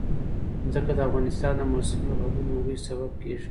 ځمکه د افغانستان د موسم د بدلون یو لوی سبب کېږي.